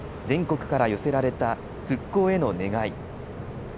全国から寄せられた復興への願い。